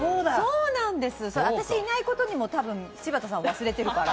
私いないことにも多分、柴田さん忘れてるから。